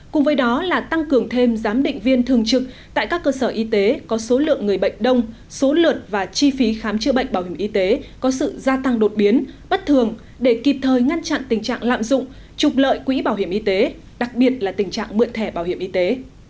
cùng với đó là tăng cường thêm giám định viên thường trực tại các cơ sở y tế có số lượng người bệnh đông số lượt và chi phí khám chữa bệnh bảo hiểm y tế có sự gia tăng đột biến bất thường để kịp thời ngăn chặn tình trạng lạm dụng trục lợi quỹ bảo hiểm y tế đặc biệt là tình trạng mượn thẻ bảo hiểm y tế